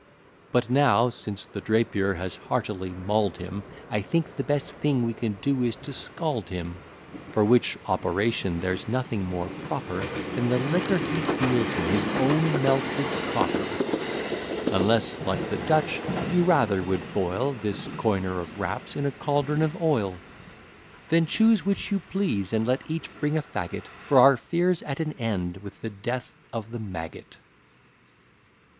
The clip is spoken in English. But now, since the Drapier has heartily maul'd him, I think the best thing we can do is to scald him; For which operation there's nothing more proper Than the liquor he deals in, his own melted copper; Unless, like the Dutch, you rather would boil This coiner of raps in a caldron of oil. Then choose which you please, and let each bring a fagot, For our fear's at an end with the death of the maggot.